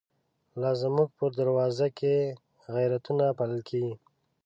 لازموږ په دروازوکی، غیرتونه پالل کیږی